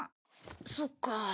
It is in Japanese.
そっか。